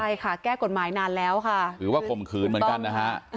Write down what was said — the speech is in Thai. ใช่ค่ะแก้กฎหมายนานแล้วค่ะถือว่าข่มขืนเหมือนกันนะฮะ